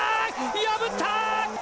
破ったー！